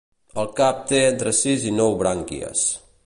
El cap té entre sis i nou brànquies.